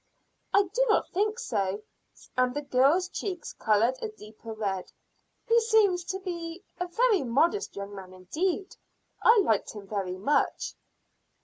"I do not think so," and the girl's cheek colored a deeper red. "He seems to be a very modest young man indeed. I liked him very much."